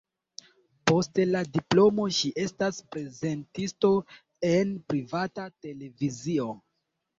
Post la diplomo ŝi estas prezentisto en privata televizio.